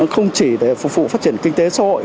không chỉ để phục vụ phát triển kinh tế xã hội